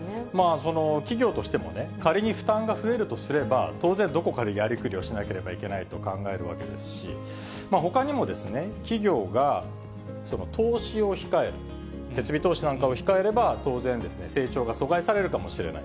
その企業としてもね、仮に負担が増えるとすれば、当然、どこかでやりくりをしなければいけないと考えるわけですし、ほかにも企業が投資を控える、設備投資なんかを控えれば、当然、成長が阻害されるかもしれない。